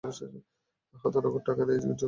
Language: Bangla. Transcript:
হাতে নগদ টাকা নেই, একজনকে দিতে হবে।